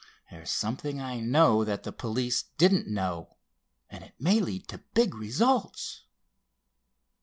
There's something I know that the police didn't know, and it may lead to big results."